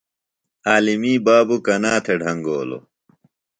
عالمی بابوۡ کنا تھےۡ ڈھنگولوۡ؟